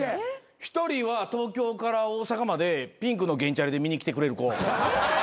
１人は東京から大阪までピンクの原チャリで見に来てくれる子。